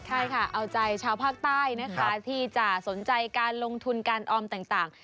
ใช่ค่ะเอาใจชาวภาคใต้นะคะที่จะสนใจการลงทุนการออมต่าง